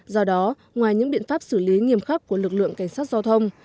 do đó ngoài những biện pháp xử lý nghiêm khắc của lực lượng cảnh sát giao thông